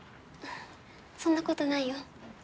そんなことないよ